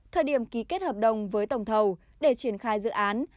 thời điểm ký kết hợp đồng với tổng thầu để triển khai dự án